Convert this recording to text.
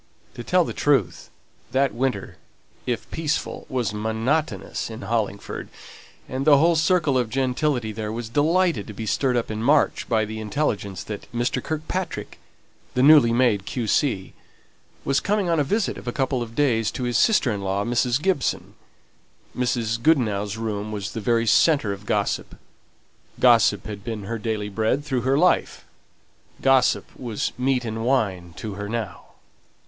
To tell the truth, that winter, if peaceful, was monotonous in Hollingford; and the whole circle of gentility there was delighted to be stirred up in March by the intelligence that Mr. Kirkpatrick, the newly made Q.C., was coming on a visit for a couple of days to his sister in law, Mrs. Gibson. Mrs. Goodenough's room was the very centre of gossip; gossip had been her daily bread through her life, gossip was meat and wine to her now.